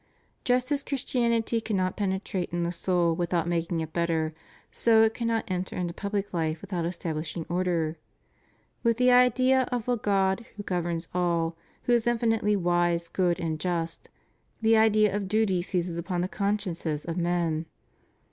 Just as Christianity cannot penetrate in the soul without making it better, so it cannot enter into public life without establishing order. With the idea of a God who governs all, who is infinitely wise, good, and just, the idea of duty seizes upon the consciences of men.